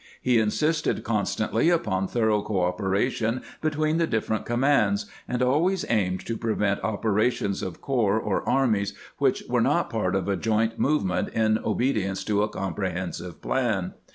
He insisted constantly upon thorough cooperation between the different com 514 CAMPAIGNING WITH GRANT mauds, and always aimed to prevent operations of corps or armies which were not part of a joint movement in obedience to a comprehensive plan.